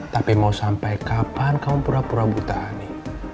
tapi mau sampai kapan kau pura pura buta ani